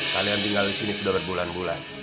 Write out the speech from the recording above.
kalian tinggal disini sudah berbulan bulan